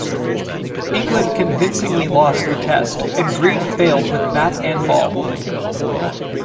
England convincingly lost the Test and Greig failed with bat and ball.